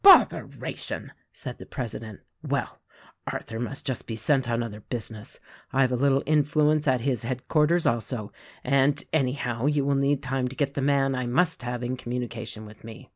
"Botheration!" said the president. "Well, Arthur must just be sent on other business; I've a little influence at his headquarters, also; and, anyhow, you will need time to get the man I must have in communication with me."